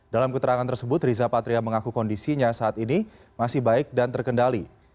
dalam keterangan tersebut riza patria mengaku kondisinya saat ini masih baik dan terkendali